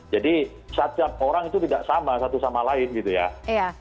jadi setiap orang itu tidak sama satu sama lain gitu ya